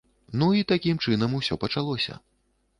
Ну і такім чынам усё пачалося.